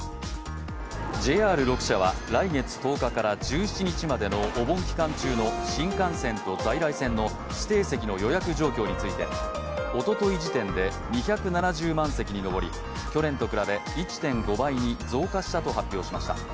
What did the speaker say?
ＪＲ６社は来月１０日から１７日までのお盆期間中の新幹線と在来線の指定席の予約状況について、おととい時点で２７０万席に上り、去年と比べ１．５倍に増加したと発表しました。